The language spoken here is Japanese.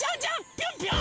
ぴょんぴょん！